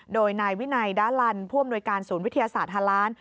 โดยนายวินัยดาลันผู้อำนวยการศูนย์วิทยาศาสตร์ฮาล้าน